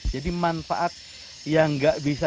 jadi manfaat yang gak bisa